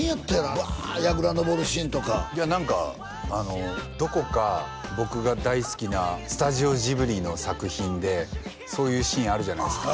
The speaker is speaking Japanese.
バーッ櫓登るシーンとかいや何かどこか僕が大好きなスタジオジブリの作品でそういうシーンあるじゃないですか